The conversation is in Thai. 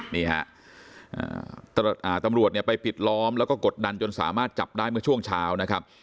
นี่ฮะตำรวจเนี่ยไปปิดล้อมแล้วก็กดดันจนสามารถจับได้เมื่อช่วงเช้านะครับ